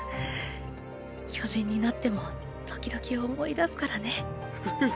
巨人になっても時々思い出すからね。！！